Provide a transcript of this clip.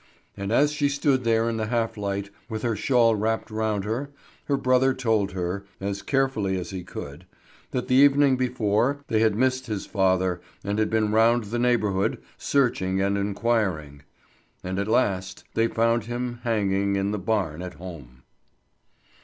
And as she stood there in the half light, with her shawl wrapped round her, her brother told her, as carefully as he could, that the evening before they had missed his father, and had been round the neighbourhood, searching and inquiring. And at last they had found him hanging in the barn at home.